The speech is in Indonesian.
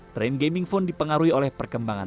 tren gaming phone dipengaruhi oleh perkembangan